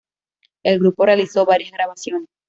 El grupo realizó varias grabaciones.